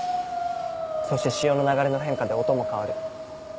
そして潮の流れの変化で音も変わる。